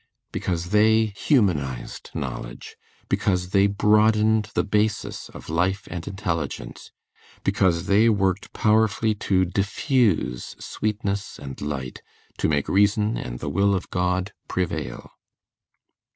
Because they humanized knowledge; because they broadened the basis of life and intelligence; because they worked powerfully to diffuse sweetness and light, to make reason and the will of God prevail.